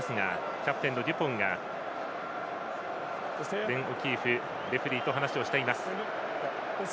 キャプテンのデュポンがベン・オキーフレフリーと話をしています。